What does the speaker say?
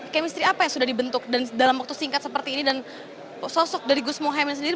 kemistri apa yang sudah dibentuk dan dalam waktu singkat seperti ini dan sosok dari gus mohaimin sendiri